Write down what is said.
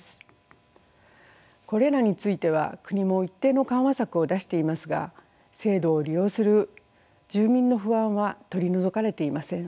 これらについては国も一定の緩和策を出していますが制度を利用する住民の不安は取り除かれていません。